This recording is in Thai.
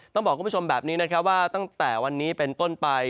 ต้องบอกคุณผู้ชมแบบนี้นะครับว่าตั้งแต่วันนี้เป็นต้นไป